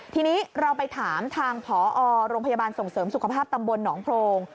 ทีนี้เราไปถามทางผอโรงพยาบาลส่งเสริมสุขภาพตำบลหนองโพรง